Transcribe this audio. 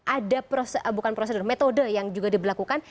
ada bukan prosedur metode yang juga diberlakukan